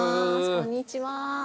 こんにちは。